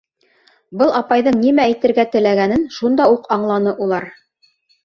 Был апайҙың нимә әйтергә теләгәнен шунда уҡ аңланы улар.